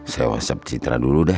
saya whatsapp citra dulu dah